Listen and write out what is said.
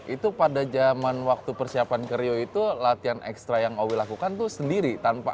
itu pada jaman waktu persiapan karyo itu latihan ekstra yang owe lakukan tuh sendiri tanpa